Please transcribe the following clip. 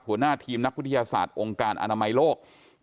หัวหน้าทีมนักวิทยาศาสตร์องค์การอนามัยโลก